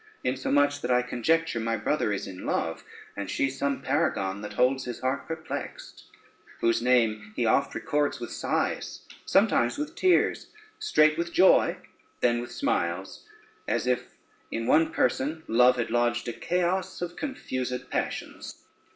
Insomuch that I conjecture my brother is in love, and she some paragon that holds his heart perplexed, whose name he oft records with sighs, sometimes with tears, straight with joy, then with smiles; as if in one person love had lodged a Chaos of confused passions.